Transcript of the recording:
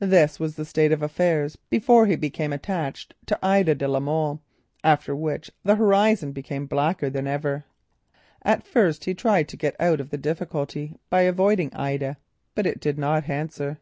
This was the state of affairs before he became attached to Ida de la Molle, after which the horizon grew blacker than ever. At first he tried to get out of the difficulty by avoiding Ida, but it did not answer.